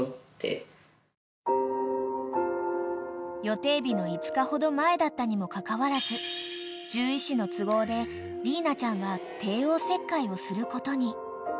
［予定日の５日ほど前だったにもかかわらず獣医師の都合でリーナちゃんは帝王切開をすることに］